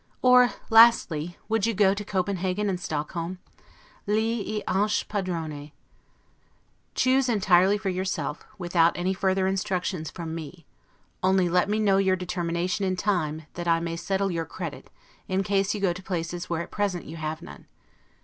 Or, lastly, would you go to Copenhagen and Stockholm? 'Lei e anche Padrone': choose entirely for yourself, without any further instructions from me; only let me know your determination in time, that I may settle your credit, in case you go to places where at present you have none.